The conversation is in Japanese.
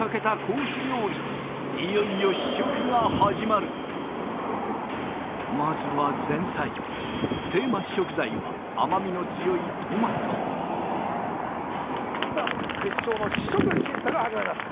いよいよ試食が始まるまずは前菜テーマ食材は甘みの強いトマトさあ決勝の試食審査が始まります